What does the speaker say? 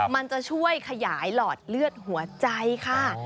มันจะช่วยขยายหลอดเลือดหัวใจค่ะ